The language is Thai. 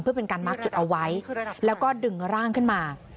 เพื่อเป็นการมักจุดเอาไว้แล้วก็ดึงร่างขึ้นมา